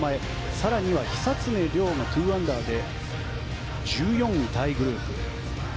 更には久常涼も２アンダーで１４位タイグループ。